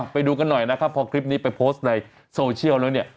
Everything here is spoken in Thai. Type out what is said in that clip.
ไปดูกันหน่อยนะครับพอคลิปนี้ไปโพสต์ในโซเชียลแล้วเนี่ย